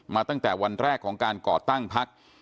ตั้งแต่วันแรกของการก่อตั้งพัก